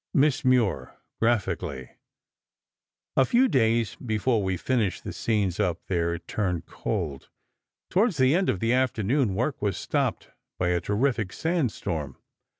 Miss Moir, graphically: A few days before we finished the scenes up there it turned cold. Towards the end of the afternoon work was stopped by a terrific sandstorm.